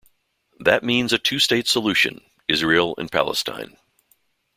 That means a two-state solution: Israel and Palestine.